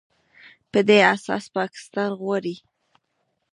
په دې اساس پاکستان غواړي